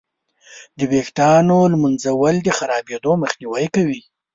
د ویښتانو ږمنځول د خرابېدو مخنیوی کوي.